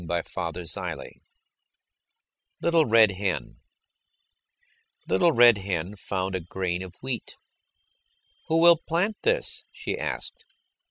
LITTLE RED HEN Little Red Hen found a grain of wheat. "Who will plant this?" she asked.